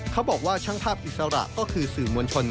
บอกว่าช่างภาพอิสระก็คือสื่อมวลชน